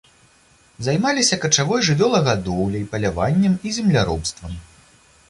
Займаліся качавой жывёлагадоўляй, паляваннем і земляробствам.